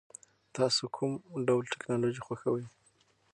تاسو کوم ډول ټیکنالوژي خوښوئ؟